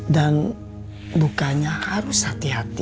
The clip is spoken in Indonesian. dan bukannya harus hati hati